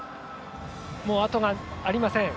もう、あとがありません。